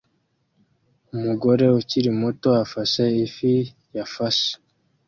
Umugore ukiri muto afashe ifi yafashe